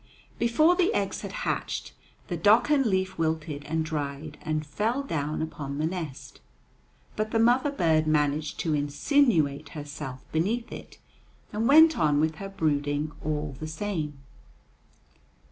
Before the eggs had hatched, the docken leaf wilted and dried and fell down upon the nest. But the mother bird managed to insinuate herself beneath it, and went on with her brooding all the same.